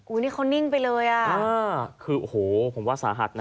นี่เขานิ่งไปเลยอ่ะคือโอ้โหผมว่าสาหัสนะ